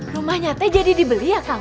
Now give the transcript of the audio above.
rumah nyate jadi dibeli ya kang